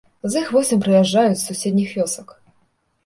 З іх восем прыязджаюць з суседніх вёсак.